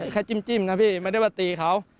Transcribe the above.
แค่จิ้มนะพี่ไม่ได้มาตีเขา